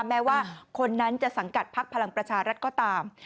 แม้ว่าคนนั้นจะสังกัดพักพลังประชารัฐก็ตาม